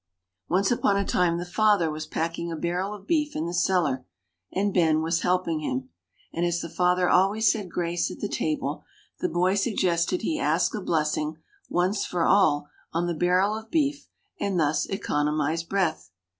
Once upon a time the father was packing a barrel of beef in the cellar, and Ben was helping him, and as the father always said grace at table, the boy suggested he ask a blessing, once for all, on the barrel of beef and thus economize breath.